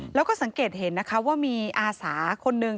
แล้วก็สังเกตเห็นนะคะว่ามีอาสาคนนึง